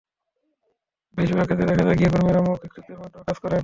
বেশির ভাগ ক্ষেত্রে দেখা যায়, গৃহকর্মীরা মৌখিক চুক্তির মাধ্যমে কাজ করেন।